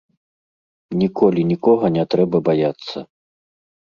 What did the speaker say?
Ніколі нікога не трэба баяцца.